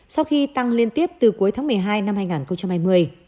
sau khi tăng liên tiếp từ cuối tháng một mươi hai năm hai nghìn hai mươi